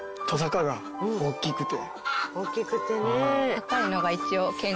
大きくてね。